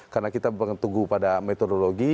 karena kita mengetugu pada metodologi